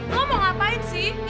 lo mau ngapain sih